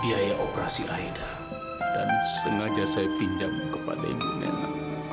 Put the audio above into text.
biaya operasi aida dan sengaja saya pinjam kepada ibu nenek